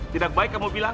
tidak baik kamu bilang